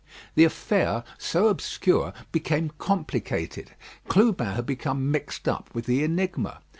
The affair, so obscure, became complicated. Clubin had become mixed up with the enigma.